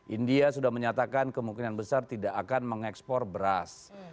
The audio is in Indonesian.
india sudah menyatakan kemungkinan besar tidak akan mengekspor beras